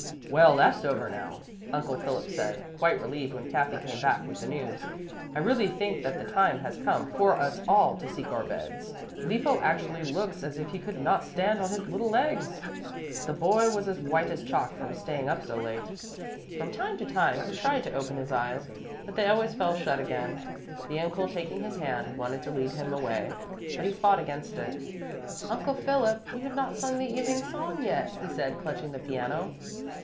"Well, that's over now," Uncle Philip said, quite relieved when Kathy came back with the news. "I really think that the time has come for us all to seek our beds. Lippo actually looks as if he could not stand on his little legs." The boy was as white as chalk from staying up so late. From time to time he tried to open his eyes, but they always fell shut again. The uncle, taking his hand, wanted to lead him away, but he fought against it. "Uncle Philip, we have not sung the evening song yet," he said, clutching the piano.